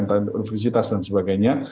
entah universitas dan sebagainya